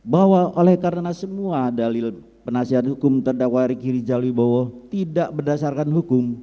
bahwa oleh karena semua dalil penasihat hukum takwari diri jalibowo tidak berdasarkan hukum